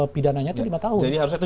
pidananya itu lima tahun